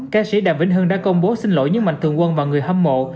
ca sĩ đàm vĩnh hưng đã công bố xin lỗi những mạnh thường quân và người hâm mộ